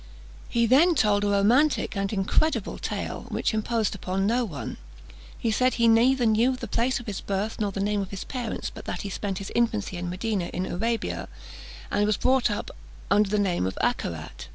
He then told a romantic and incredible tale, which imposed upon no one. He said he neither knew the place of his birth nor the name of his parents, but that he spent his infancy in Medina, in Arabia, and was brought up under the name of Acharat.